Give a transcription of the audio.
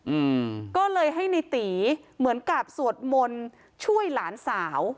อืมก็เลยให้ในตีเหมือนกับสวดมนต์ช่วยหลานสาว